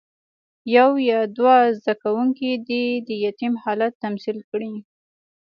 یو یا دوه زده کوونکي دې د یتیم حالت تمثیل کړي.